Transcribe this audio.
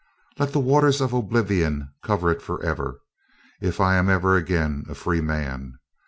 Let the waters of oblivion cover it forever, if I am ever again a free man.